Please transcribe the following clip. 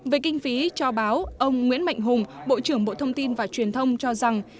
về kinh phí cho báo ông nguyễn mạnh hùng bộ trưởng bộ thông tin và truyền thông cho rằng